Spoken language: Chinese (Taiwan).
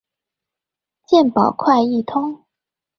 健保快易通